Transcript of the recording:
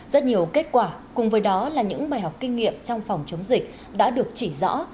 rất nhiều kết quả cùng với đó là những bài học kinh nghiệm trong phòng chống dịch đã được chỉ rõ